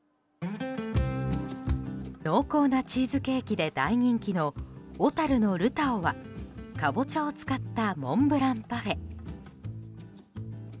濃厚なチーズケーキで大人気の小樽のルタオはカボチャを使ったモンブランパフェ。